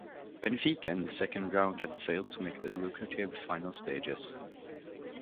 Benfica in the second round and failed to make the lucrative final stages.